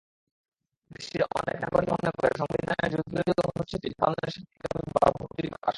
দেশটির অনেক নাগরিকই মনে করে, সংবিধানের যুদ্ধবিরোধী অনুচ্ছেদটি জাপানের শান্তিকামী ভাবমূর্তিরই প্রকাশ।